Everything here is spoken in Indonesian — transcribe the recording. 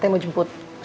sari kata oleh sdi media